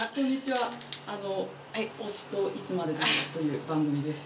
あの「推しといつまでも」という番組です